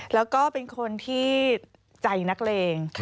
แล้วก็เป็นคนที่ใจนักเลง